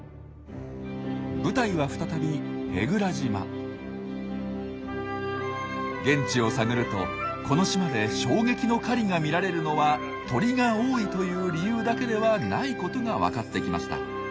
舞台は再び現地を探るとこの島で衝撃の狩りが見られるのは鳥が多いという理由だけではないことが分かってきました。